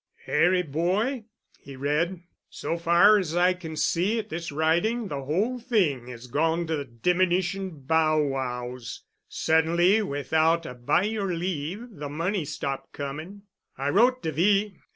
"Harry boy," he read, "so far as I can see at this writing the whole thing has gone to the demnition bow wows. Suddenly, without a by your leave, the money stopped coming. I wrote de V.